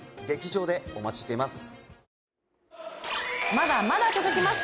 まだまだ続きます